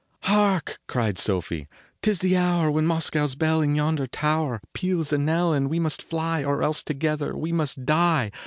Hark !" cried Sofie, " tis the hour When Moscow s bell in yonder tower Peals a knell, and we must fly, Or else together we must die.